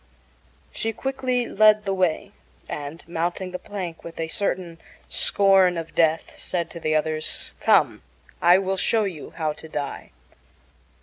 She quickly led the way, and, mounting the plank with a certain scorn of death, said to the others: "Come, I will show you how to die."